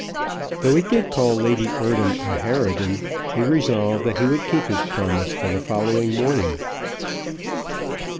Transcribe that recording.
Though he did call Lady Eardham a harridan, he resolved that he would keep his promise for the following morning.